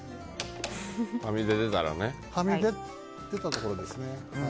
はみ出たところですね。